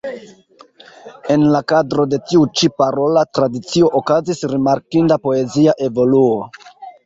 En la kadro de tiu ĉi parola tradicio okazis rimarkinda poezia evoluo.